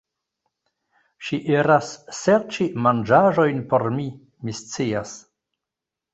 Ŝi iras serĉi manĝaĵojn por mi, mi scias